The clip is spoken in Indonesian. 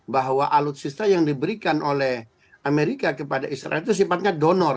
bahwa alutsista yang diberikan oleh amerika kepada israel itu sifatnya donor